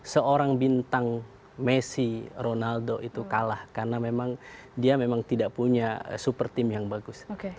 seorang bintang messi ronaldo itu kalah karena memang dia memang tidak punya super team yang bagus